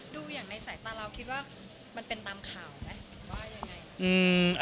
ดูอย่างในสายตาเราคิดว่ามันเป็นตามข่าวไหมว่ายังไง